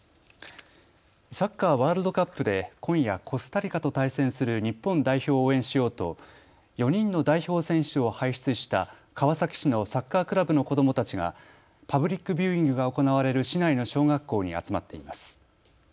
サッカーワールドカップで今夜、コスタリカと対戦する日本代表を応援しようと４人の代表選手を輩出した川崎市のサッカークラブの子どもたちがパブリック・ビューイングが行われる市内の小学校に集まっています。